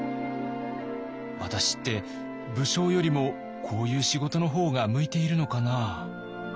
「私って武将よりもこういう仕事の方が向いているのかなあ」。